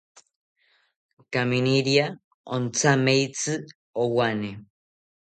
Kaminiria othameitzi owane